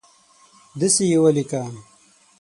دسي یې ولیکه